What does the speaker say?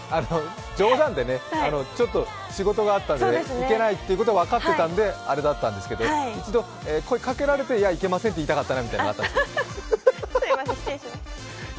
冗談で、ちょっと仕事があったので行けないってこと分かってたんであれだったんですけど一度、声かけられていや、行けませんって言いたかったなって。